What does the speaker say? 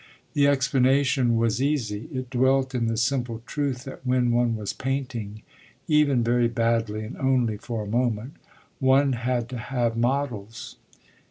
The explanation was easy: it dwelt in the simple truth that when one was painting, even very badly and only for a moment, one had to have models.